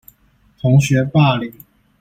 同學霸凌